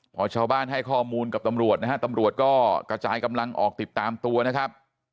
พอชาวบ้านให้ข้อมูลกับตำรวจนะฮะตำรวจก็กระจายกำลังออกติดตามตัวนะครับ